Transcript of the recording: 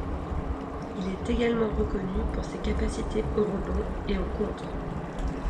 Il est également reconnu pour ses capacités au rebond et au contre.